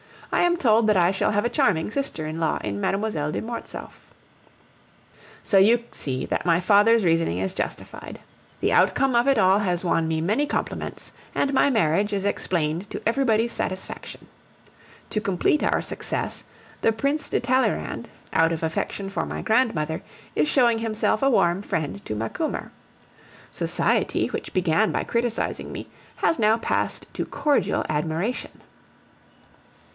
I am told that I shall have a charming sister in law in Mlle. de Mortsauf. So you see that my father's reasoning is justified. The outcome of it all has won me many compliments, and my marriage is explained to everybody's satisfaction. To complete our success, the Prince de Talleyrand, out of affection for my grandmother, is showing himself a warm friend to Macumer. Society, which began by criticising me, has now passed to cordial admiration.